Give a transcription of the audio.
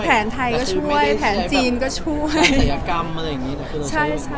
แผนไทยก็ช่วยแผนจีนก็ช่วย